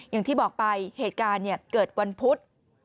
อย่างที่บอกไปเหตุการณ์เกิดวันพุธ